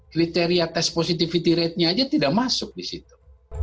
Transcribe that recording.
kriteria test positivity ratenya aja tidak masuk di situ